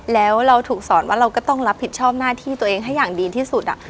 แล้วเราถูกสอนว่าเราก็ต้องรับผิดชอบหน้าที่ตัวเองให้อย่างดีที่สุด